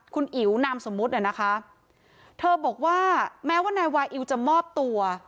คุณอิ๋วนามสมมุตินะคะเธอบอกว่าแม้ว่านายวาอิวจะมอบตัว